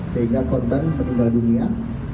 sehingga korban meninggal dunia